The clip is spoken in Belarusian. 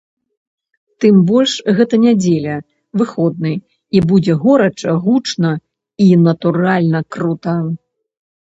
Тым больш гэта нядзеля, выходны і будзе горача, гучна і, натуральна, крута.